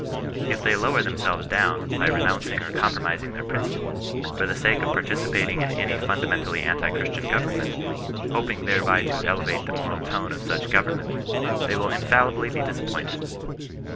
If they lower themselves down, by renouncing or compromising their principles, for the sake of partici pating in any fundamentally anti Christian government, hoping thereby to elevate the moral tone of such govern ment, they will infallibly be disappointed.